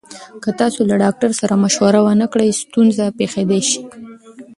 که تاسو له ډاکټر سره مشوره ونکړئ، ستونزه پېښېدای شي.